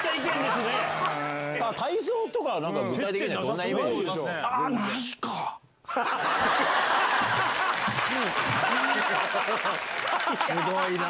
すごいな。